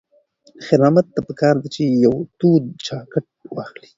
خیر محمد ته پکار ده چې یوه توده جاکټ واخلي.